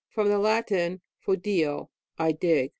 From the Latin, fodio, I dig.